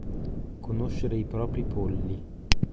Conoscere i propri polli.